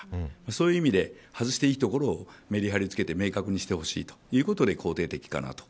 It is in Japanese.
そういう意味で外していいところをメリハリをつけて明確にしてほしいということで肯定的かなと。